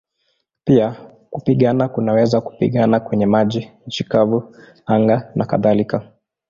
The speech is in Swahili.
Pia kupigana kunaweza kupigana kwenye maji, nchi kavu, anga nakadhalika.